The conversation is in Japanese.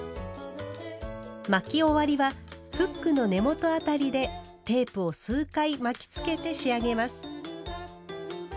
巻き終わりはフックの根元あたりでテープを数回巻きつけて仕上げます。